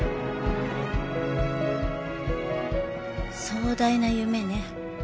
壮大な夢ね